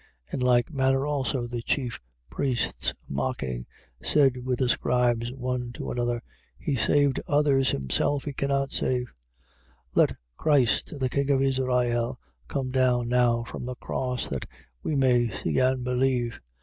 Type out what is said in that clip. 15:31. In like manner also the chief priests, mocking, said with the scribes one to another: He saved others; himself he cannot save. 15:32. Let Christ the king of Israel come down now from the cross, that we may see and believe.